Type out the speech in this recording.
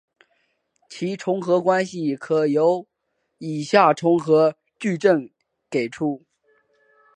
其重合关系可由以下重合矩阵给出。